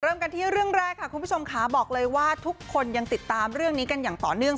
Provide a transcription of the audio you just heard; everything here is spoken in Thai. เริ่มกันที่เรื่องแรกค่ะคุณผู้ชมค่ะบอกเลยว่าทุกคนยังติดตามเรื่องนี้กันอย่างต่อเนื่อง